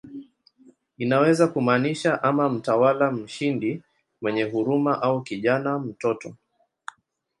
Inaweza kumaanisha ama "mtawala mshindi mwenye huruma" au "kijana, mtoto".